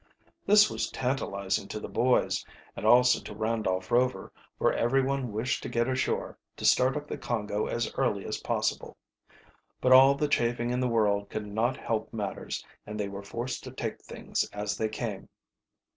This was tantalizing to the boys, and also to Randolph Rover, for everyone wished to get ashore, to start up the Congo as early as possible. But all the chafing in the world could not help matters, and they were forced to take things as they came.